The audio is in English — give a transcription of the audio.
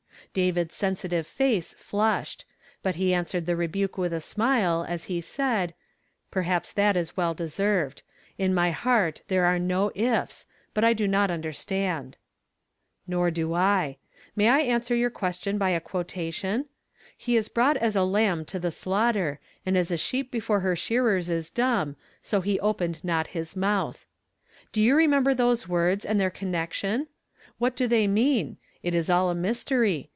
" David's sensitive face flushed; but he answered the rebuk with a smile, as lib said: "Perhaps that is well deserved. In my heart there are no ' ifs,' but I do not undci stand." " Nor do I. i\Iay 1 answer your question by a (piotation ?' He is ln ought as a lamb to the shiughter, an(^ .. "^heep before her shearers is dunil), so he opfP.; his month.' T^o yop. re member those words, and their connection ? What 262 YESTERT AY FRAMED IN TO DAY. do they mean ? It Is all mystery.